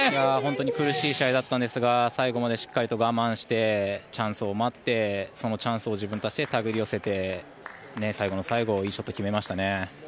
本当に苦しい試合だったんですが最後までしっかりと我慢してチャンスを待ってそのチャンスを自分たちで手繰り寄せて最後の最後いいショット決めましたね。